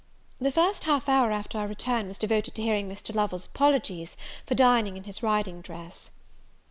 The first half hour after our return was devoted to hearing Mr. Lovel's apologies for dining in his riding dress.